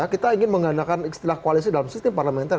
kita ingin menggunakan istilah koalisi dalam sistem parlementer